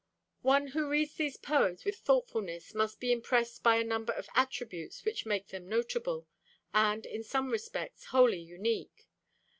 One who reads these poems with thoughtfulness must be impressed by a number of attributes which make them notable, and, in some respects, wholly unique.